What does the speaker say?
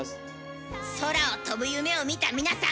空を飛ぶ夢を見た皆さん。